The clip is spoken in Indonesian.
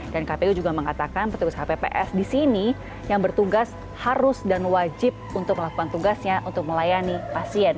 dan kpu juga mengatakan petugas kpps di sini yang bertugas harus dan wajib untuk melakukan tugasnya untuk melayani pasien